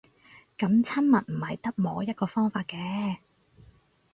噉親密唔係得摸一個方法嘅